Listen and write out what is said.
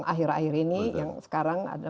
akhir akhir ini yang sekarang ada